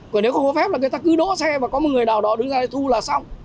còn nếu không có phép là người ta cứ đỗ xe và có một người nào đó đứng ra đây thu là xong